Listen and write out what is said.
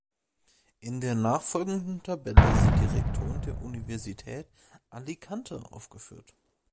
In der nachfolgenden Tabelle sind die Rektoren der Universität Alicante aufgeführt.